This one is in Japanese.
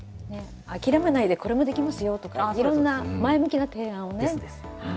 諦めないでこれもできますよとか、いろいろな前向きな提案をね。